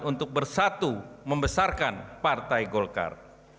untuk bersatu membesarkan partai golkar